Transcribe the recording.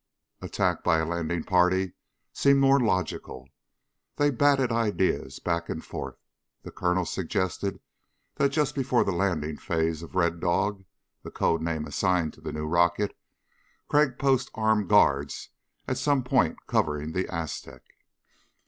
Attack by a landing party seemed more logical. They batted ideas back and forth. The Colonel suggested that just before the landing phase of Red Dog the code name assigned the new rocket Crag post armed guards at some point covering the Aztec.